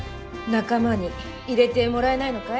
仲間に入れてもらえないのかい？